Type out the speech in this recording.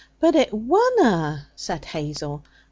'But it wunna,' said Hazel.